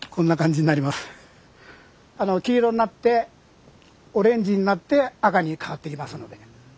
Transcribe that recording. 黄色になってオレンジになって赤に変わっていきますので。